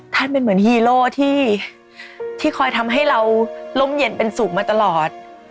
เป็นเหมือนฮีโร่ที่คอยทำให้เราร่มเย็นเป็นสุขมาตลอด